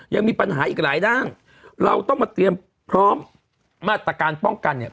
ยังมีปัญหาอีกหลายด้านเราต้องมาเตรียมพร้อมมาตรการป้องกันเนี่ย